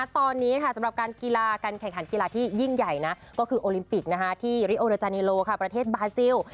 ตอนนี้สำหรับการกีฬาการแข่งขันกีฬาที่ยิ่งใหญ่นะก็คือโอลิมปิกที่ริโอรจาเนโลประเทศบาซิล